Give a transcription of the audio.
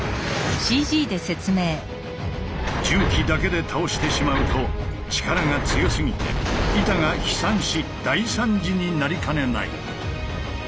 重機だけで倒してしまうと力が強すぎて板が飛散し大惨事になりかねない。